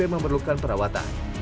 dan juga dilakukan perawatan